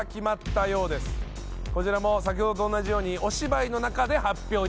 こちらも先ほどと同じようにお芝居の中で発表いたします。